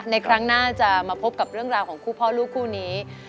ครั้งหน้าจะมาพบกับเรื่องราวของคู่พ่อลูกคู่นี้